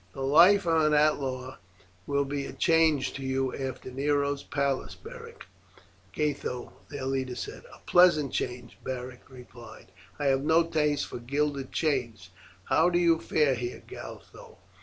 "The life of an outlaw will be a change to you after Nero's palace, Beric," Gatho, their leader, said. "A pleasant change," Beric replied. "I have no taste for gilded chains. How do you fare here, Gatho?"